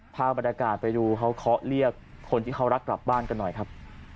ภาพบรรยากาศไปดูเขาเคาะเรียกคนที่เขารักกลับบ้านกันหน่อยครับ